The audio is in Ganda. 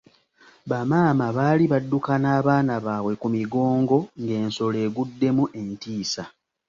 Bamaama baali badduka n'abaana baabwe ku migongo ng'ensolo eguddemu entiisa.